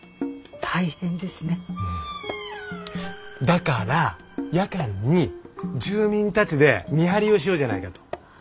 だから夜間に住民たちで見張りをしようじゃないかと。